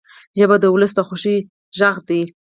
ژبه د ولس د خوښۍ غږ دی